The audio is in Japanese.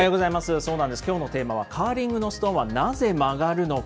そうなんです、きょうのテーマは、カーリングのストーンは、なぜ曲がるのか。